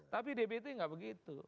tapi dpi itu gak begitu